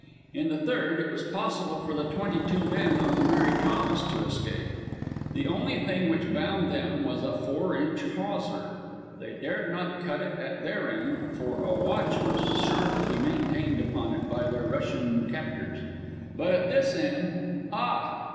In the third, it was possible for the twenty two men on the Mary Thomas to escape. The only thing which bound them was a four inch hawser. They dared not cut it at their end, for a watch was sure to be maintained upon it by their Russian captors; but at this end, ah!